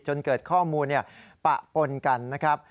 จนเกิดข้อมูลปะปนกันนะครับ